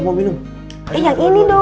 aduh aku mau minum